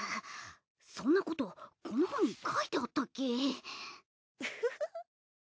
そんなことこの本に書いてあったっけ？